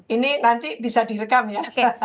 ini nanti bisa direkam ya